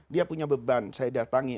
dia punya beban saya datangi